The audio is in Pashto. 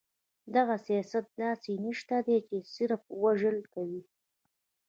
دغه سياست داسې نيشه ده چې صرف وژل کوي.